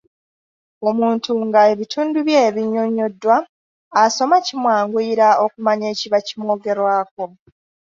Omuntu nga ebitundu bye binnyonnyoddwa, asoma kimwanguyira okumanya ekiba kimwogerwako.